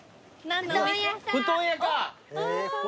布団屋か。